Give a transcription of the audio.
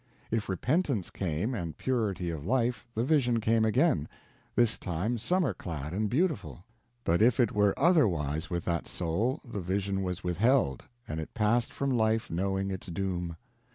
If repentance came, and purity of life, the vision came again, this time summer clad and beautiful; but if it were otherwise with that soul the vision was withheld, and it passed from life knowing its doom.